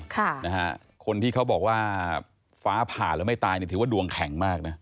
ค่ะนะฮะคนที่เขาบอกว่าฟ้าผ่าแล้วไม่ตายเนี่ยถือว่าดวงแข็งมากนะ